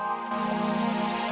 kang kasih juga saya